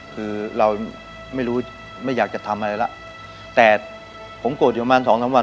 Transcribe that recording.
คือเราไม่รู้ไม่อยากจะทำอะไรแล้วแต่ผมโกรธอยู่ประมาณสองสามวัน